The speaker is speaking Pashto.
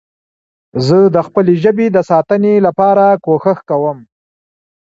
زه د خپلي ژبې د ساتنې لپاره کوښښ کوم.